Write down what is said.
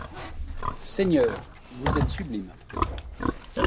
Seigneur ! vous êtes sublime.